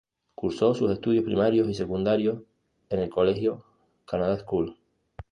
Cursó sus estudios primarios y secundarios en el colegio Canada School.